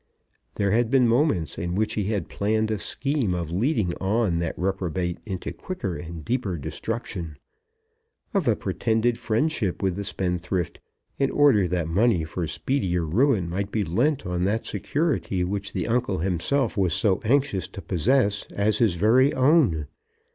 There had been moments in which he had planned a scheme of leading on that reprobate into quicker and deeper destruction, of a pretended friendship with the spendthrift, in order that money for speedier ruin might be lent on that security which the uncle himself was so anxious to possess as his very own.